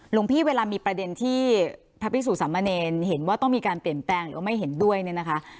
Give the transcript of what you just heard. หลวงพี่เวลามีประเด็นที่พระพิสุสามเณรเห็นว่าต้องมีการเปลี่ยนแปลงหรือไม่เห็นด้วยเนี่ยนะคะ